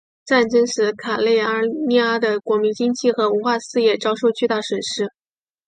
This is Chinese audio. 战争使卡累利阿的国民经济和文化事业遭受巨大损失。